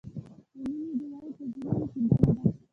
د مینې ډیوه یې په زړونو کې بله ده.